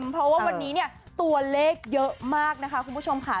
เพราะว่าวันนี้เนี่ยตัวเลขเยอะมากนะคะคุณผู้ชมค่ะ